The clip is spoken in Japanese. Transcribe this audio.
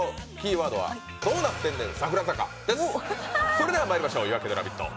それではまいりましょう、「夜明けのラヴィット！」